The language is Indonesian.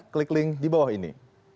klik link di bawah ini